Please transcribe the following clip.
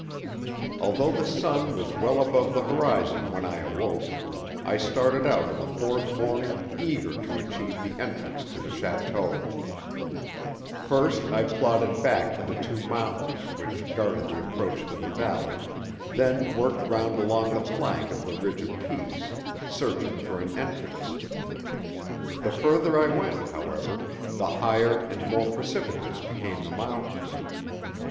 Although the sun was well above the horizon when I awoke, I started out on the fourth morning eager to achieve the entrance to the château. First I plodded back to the two mountains which guarded the approach to the valley, then worked round along the flank of the ridge of peaks, searching for an entrance. The further I went, however, the higher and more precipitous became the mountains.